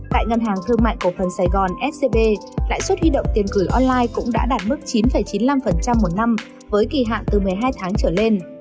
tại ngân hàng thương mại cổ phần sài gòn scb lãi suất huy động tiền gửi online cũng đã đạt mức chín chín mươi năm một năm với kỳ hạn từ một mươi hai tháng trở lên